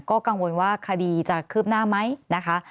ก็กังวลว่าคดีจะคืบหน้าไหมนะคะ